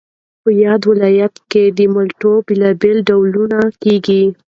په یاد ولایت کې د مالټو بېلابېل ډولونه کېږي